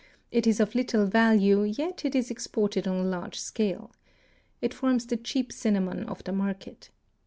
It is of little value yet it is exported on a large scale. It forms the cheap cinnamon of the market.